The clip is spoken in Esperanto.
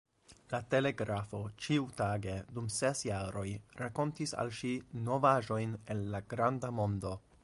La telegrafo ĉiutage dum ses jaroj rakontis al ŝi novaĵojn el la granda mondo.